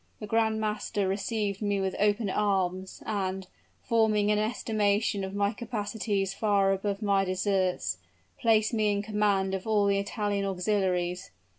The grand master received me with open arms; and, forming an estimation of my capacities far above my deserts, placed me in command of all the Italian auxiliaries.